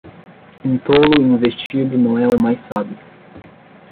Um tolo em um vestido não é o mais sábio.